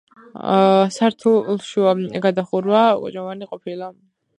სართულშუა გადახურვა კოჭოვანი ყოფილა.